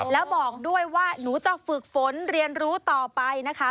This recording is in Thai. แล้วบอกด้วยว่าหนูจะฝึกฝนเรียนรู้ต่อไปนะคะ